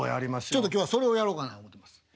ちょっと今日はそれをやろうかな思うてます。